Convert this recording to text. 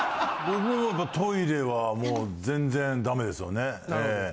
僕もやっぱトイレはもう全然ダメですよねええ。